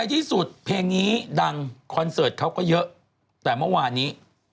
ที่สุดเพลงนี้ดังคอนเสิร์ตเขาก็เยอะแต่เมื่อวานนี้